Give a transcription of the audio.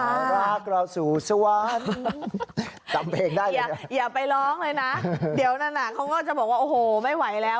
รักเราสู่สวรรค์จำเพลงได้อย่าไปร้องเลยนะเดี๋ยวนั้นเขาก็จะบอกว่าโอ้โหไม่ไหวแล้ว